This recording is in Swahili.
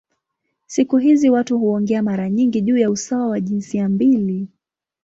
Siku hizi watu huongea mara nyingi juu ya usawa wa jinsia mbili.